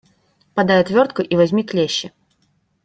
Подай отвертку и возьми клещи.